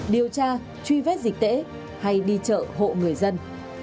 điều tra truy vết dịch tễ hay đi chợ hộ người dân